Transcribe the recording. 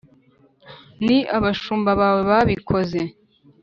ni abashumba bawe babikoze.